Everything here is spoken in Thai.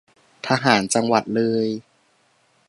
ทหารจังหวัดเลย